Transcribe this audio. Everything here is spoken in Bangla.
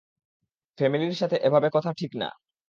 ফ্যামিলির সাথে এভাবে কথা ঠিক না।